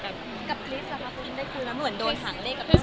กับคริสล่ะคะคุณได้คุยแล้วเหมือนโดนหังเลขกับเมื่อกี๊